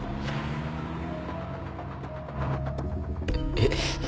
えっ？